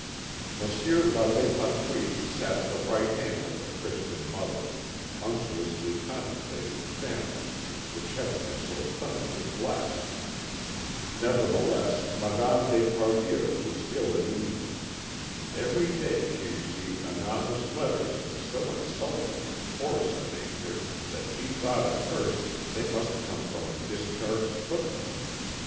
Monsieur l'Abbé Patouille sat at the right hand of the Christian mother, unctuously contemplating the family which Heaven had so plentifully blessed. Nevertheless, Madame d'Esparvieu was ill at ease. Every day she received anonymous letters of so insulting and coarse a nature that she thought at first they must come from a discharged footman.